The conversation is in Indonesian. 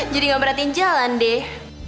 jadi gak merhatiin jalan deh